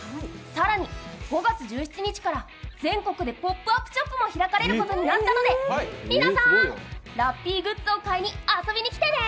更に５月１７日から全国でポップアップショップも開かれることになったので皆さん、ラッピーグッズを買いに遊びに来てね。